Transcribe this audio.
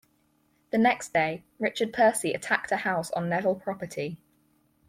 The next day, Richard Percy attacked a house on Neville property.